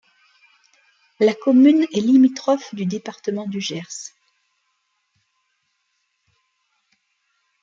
La commune est limitrophe du département du Gers.